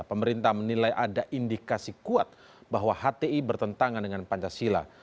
pemerintah menilai ada indikasi kuat bahwa hti bertentangan dengan pancasila